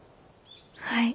はい。